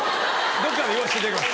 どっかで言わせていただきます。